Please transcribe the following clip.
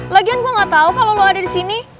lagian gua ga tau kalo lu ada di sini